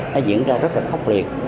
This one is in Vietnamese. nó diễn ra rất là khốc liệt